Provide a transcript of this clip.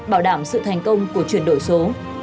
bảo đảm sự thành công của chuyển đổi số